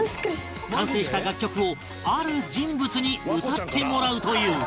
完成した楽曲をある人物に歌ってもらうという